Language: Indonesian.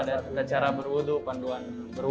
ada cara berwudhu panduan